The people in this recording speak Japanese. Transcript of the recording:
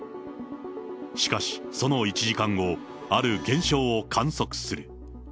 しかし、その１時間後、ある現象を観測する。